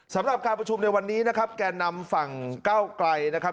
สำหรับการประชุมในวันนี้นะครับแก่นำฝั่งก้าวไกลนะครับ